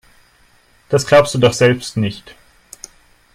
Das glaubst du doch selbst nicht.